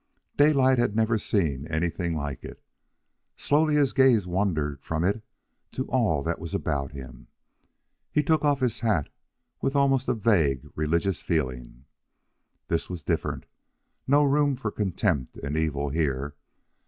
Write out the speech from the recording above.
Daylight had never seen anything like it. Slowly his gaze wandered from it to all that was about him. He took off his hat, with almost a vague religious feeling. This was different. No room for contempt and evil here.